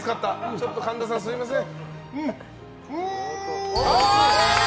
ちょっと神田さんすみません。